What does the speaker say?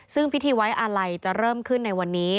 ซึ่งพิธีไว้อาลัยจะเริ่มขึ้นในวันนี้